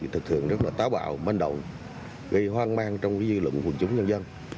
thật thường rất là táo bạo banh động gây hoang mang trong dư luận của quân chúng nhân dân